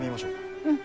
うん。